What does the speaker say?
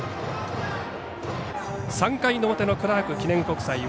３回の表のクラーク記念国際。